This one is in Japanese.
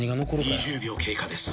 ２０秒経過です。